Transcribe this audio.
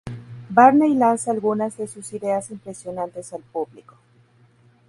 Barney lanza algunas de sus ideas impresionantes al público.